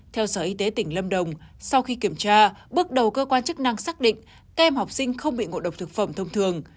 theo sở y tế tỉnh lâm đồng sau khi kiểm tra bước đầu cơ quan chức năng xác định các em học sinh không bị ngộ độc thực phẩm thông thường